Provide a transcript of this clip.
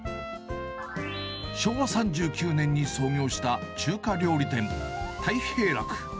昭和３９年に創業した中華料理店、泰平楽。